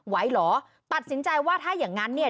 เหรอตัดสินใจว่าถ้าอย่างงั้นเนี่ย